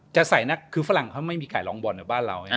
จะใส่นักคือฝรั่งเขาไม่มีไก่รองบอลในบ้านเรา